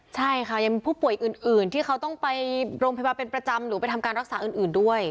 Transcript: ใช่ค่ะยังมีผู้ป่วยอื่นที่เขาต้องไปโรงพยาบาลเป็นประจำหรือไปทำการรักษาอื่นด้วย